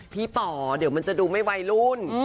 ป๋อเดี๋ยวมันจะดูไม่วัยรุ่น